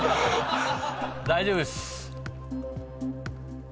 大丈夫です。